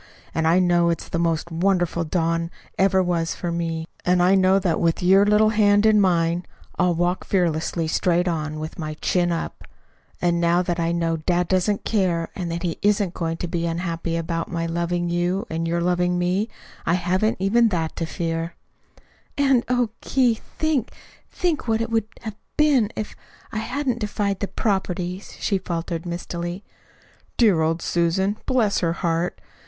And I know it's the most wonderful dawn ever was for me. And I know that with your little hand in mine I'll walk fearlessly straight on, with my chin up. And now that I know dad doesn't care, and that he isn't going to be unhappy about my loving you and your loving me, I haven't even that to fear." "And, oh, Keith, think, think what it would have been if if I hadn't defied the 'properties,'" she faltered mistily. "Dear old Susan bless her heart!